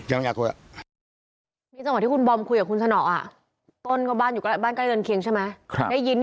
ยังไม่อยากคุย